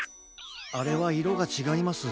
あれはいろがちがいます。